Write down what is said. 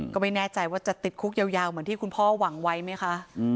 ก็ไม่แน่ใจว่าจะติดคุกยาวเหมือนที่คุณพ่อหวังไว้ไหมคะ